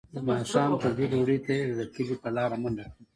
د ماښام تودې ډوډۍ ته یې د کلي په لاره منډه کړه.